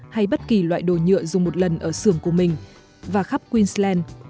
hay bất kỳ loại đồ nhựa dùng một lần ở xưởng của mình và khắp queensland